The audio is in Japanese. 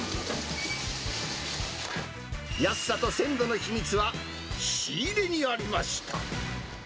安さと鮮度の秘密は仕入れにありました。